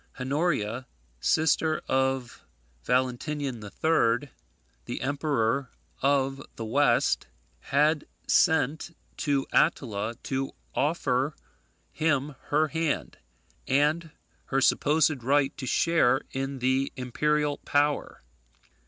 Honoria, sister of Valentinian III., the Emperor of the West, had sent to Attila to offer him her hand, and her supposed right to share in the imperial power.